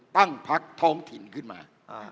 ตั้งพักท้องถิ่นขึ้นมา